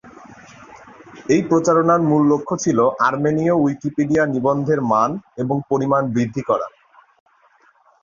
এই প্রচারণার মূল লক্ষ্য ছিল আর্মেনীয় উইকিপিডিয়া নিবন্ধের মান এবং পরিমাণ বৃদ্ধি করা।